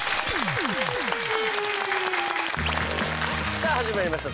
さあ始まりました